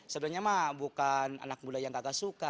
sebenarnya mah bukan anak muda yang kata suka